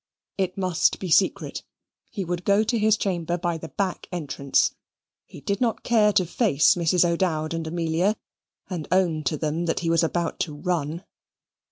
It must be secret. He would go to his chamber by the back entrance. He did not care to face Mrs. O'Dowd and Amelia, and own to them that he was about to run.